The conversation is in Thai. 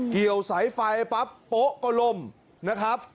เกี่ยวสายไฟปั๊บโป๊ะก็ลมนะครับ